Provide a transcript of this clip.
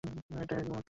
এটাকেও একই রকম লাগছে।